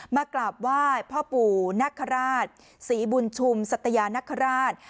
มากราบไหว้พ่อปู่นคราชศรีบุญชุมสัตยานคราช